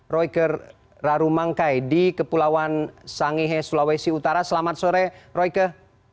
royker rarumangkai di kepulauan sangihe sulawesi utara selamat sore royke